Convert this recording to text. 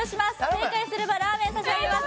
正解すればラーメン差し上げます